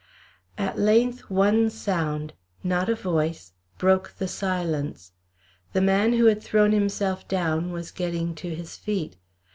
At length one sound not a voice broke the silence: the man who had thrown himself down was getting to his feet.